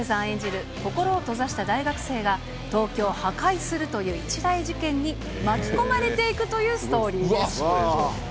演じる心を閉ざした大学生が、東京を破壊するという一大事件に巻き込まれていくというストーリーです。